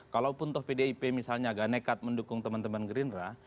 kalaupun pdip agak nekat mendukung teman teman gerindra